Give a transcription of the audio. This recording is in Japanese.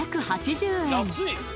６８０円